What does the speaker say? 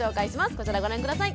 こちらご覧下さい。